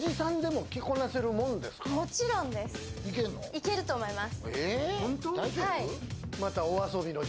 いけると思います。